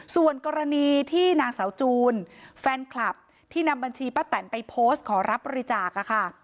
ส่วนกรณีที่นางสาวจูนแฟนคลับที่นำบัญชีป้าแตนไปโพสต์ขอรับบริจาคค่ะ